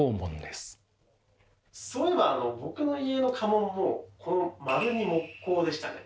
そういえば僕の家の家紋もこの丸に木瓜でしたね。